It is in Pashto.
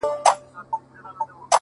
• ډېر عمر ښه دی عجیبي وینو,